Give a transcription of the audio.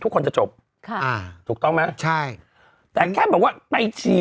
ทุกคนจะจบค่ะถูกต้องไหมใช่